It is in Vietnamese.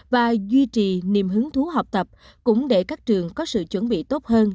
và duy trì niềm hứng thú học tập cũng để các trường có sự chuẩn bị tốt hơn